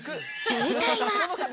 正解は。